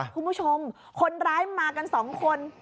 คุณผู้ชมคนร้ายมากัน๒คน